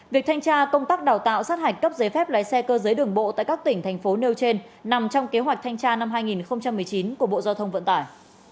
việc thanh tra công tác đào tạo sát hạch cấp giấy phép lái xe cơ giới đường bộ tại các tỉnh thành phố nêu trên nằm trong kế hoạch thanh tra năm hai nghìn một mươi chín của bộ giao thông vận tải